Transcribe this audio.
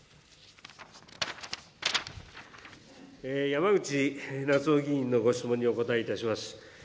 山口那津男議員のご質問にお答えいたします。